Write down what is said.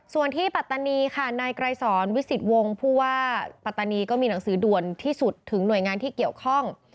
ส่วนที่ปัตตานีค่ะนายไกรสอนวิสิตวงศ์ผู้ว่าปัตตานีก็มีหนังสือด่วนที่สุดถึงหน่วยงานที่เกี่ยวข้อง